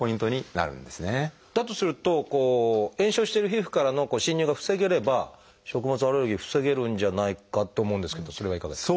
だとすると炎症してる皮膚からの侵入が防げれば食物アレルギー防げるんじゃないかと思うんですけどそれはいかがですか？